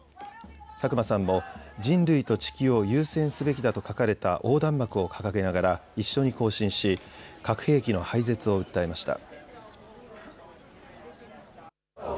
佐久間さんも人類と地球を優先すべきだと書かれた横断幕を掲げながら一緒に行進し核兵器の廃絶を訴えました。